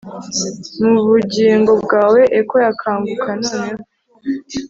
mubugingo bwawe echo yakanguka noneho